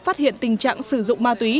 phát hiện tình trạng sử dụng ma túy